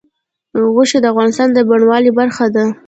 غوښې د افغانستان د بڼوالۍ برخه ده.